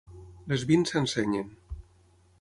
Les vint s'ensenyen.